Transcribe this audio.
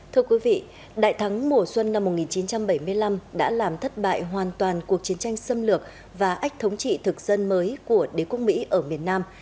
thưa quý vị đại thắng mùa xuân năm một nghìn chín trăm bảy mươi năm đã làm thất bại hoàn toàn cuộc chiến tranh xâm lược và ách thống trị thực dân mới của đế quốc mỹ ở miền nam